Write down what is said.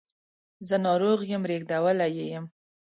زه ناروغ یم ریږدولی یې یم